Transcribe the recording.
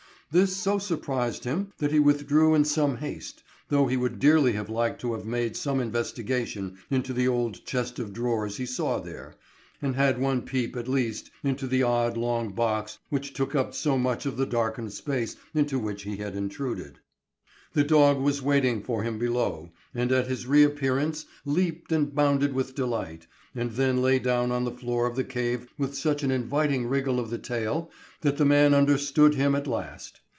This so surprised him that he withdrew in some haste, though he would dearly have liked to have made some investigation into the old chest of drawers he saw there, and had one peep at least into the odd, long box which took up so much of the darkened space into which he had intruded. The dog was waiting for him below and at his reappearance leaped and bounded with delight, and then lay down on the floor of the cave with such an inviting wriggle of the tail that the man understood him at last.